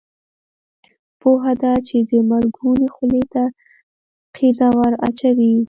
پوهه ده چې د مرګونو خولې ته قیضه ور اچوي.